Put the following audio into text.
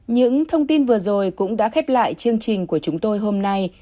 những thông tin vừa rồi cũng đã khép lại chương trình của chúng tôi hôm nay